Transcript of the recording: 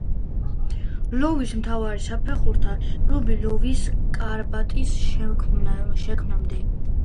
ლვოვის მთავარი საფეხბურთო კლუბი ლვოვის „კარპატის“ შექმნამდე.